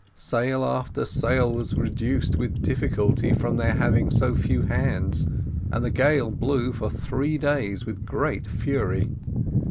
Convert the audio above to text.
Sail after sail was reduced with difficulty from their having so few hands, and the gale blew for three days with great fury.